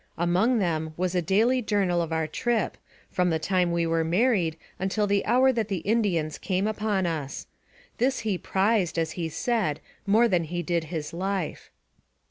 Among them was a daily journal of our trip, from the time we were married until the hour that the Indians came upon us. This he prized, as he said, more than he did his life.